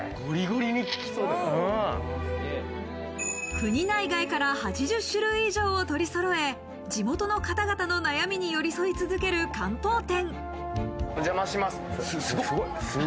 国内外から８０種類以上を取りそろえ、地元の方々の悩みに寄り添い続ける漢方店。